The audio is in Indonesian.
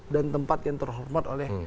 dan tempat yang terhormat oleh